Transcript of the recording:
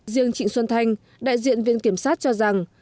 riêng trịnh xuân thanh đại diện viện kiểm sát cho rằng